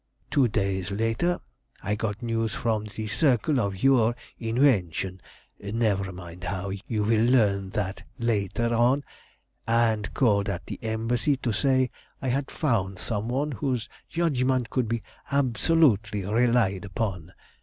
Two days later I got news from the Circle of your invention never mind how; you will learn that later on and called at the Embassy to say I had found some one whose judgment could be absolutely relied upon.